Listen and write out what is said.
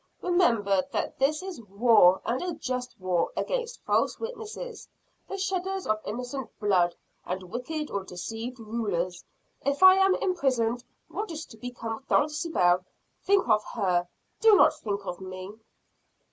Remember that this is war and a just war against false witnesses, the shedders of innocent blood, and wicked or deceived rulers. If I am imprisoned, what is to become of Dulcibel? Think of her do not think of me."